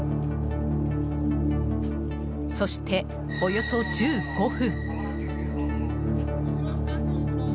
そして、およそ１５分。